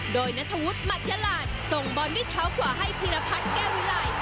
โดยนัทธวุฒิหมัดยาลาส่งบอลด้วยเท้าขวาให้พีรพัฒน์แก้ววิไล